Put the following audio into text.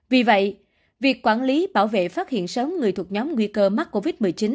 vì vậy việc quản lý bảo vệ phát hiện sớm người thuộc nhóm nguy cơ mắc covid một mươi chín